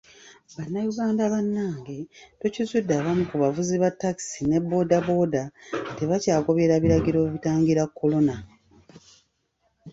Bannayuganda bannange, tukizudde abamu ku bavuzi ba takisi ne bodaboda tebakyagoberera biragiro bitangira kolona.